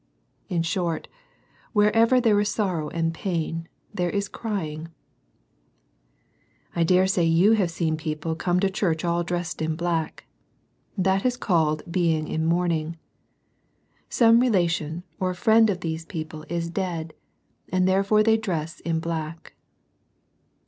In short, wherever there is sorrow and pain, there is " crying." I dare say you have seen people come to church all dressed in black. That is called being in mourning. Some t A^.^Q^J^. ot ^<ec^^ ^ 66 SERMONS FOR CHILDREN. these people is dead, and therefore they dress in black.